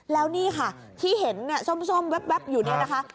แล้วนี่ค่ะที่เห็นเนี่ยส้มแว๊บอยู่เนี่ยนะคะ